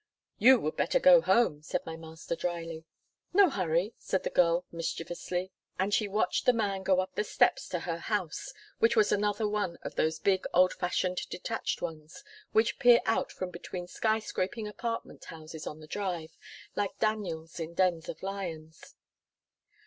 "You would better go home," said my master dryly. "No hurry," said the girl mischievously, and she watched the man go up the steps to her house which was another one of those big, old fashioned, detached ones, which peer out from between sky scraping apartment houses on the Drive, like Daniels in dens of lions.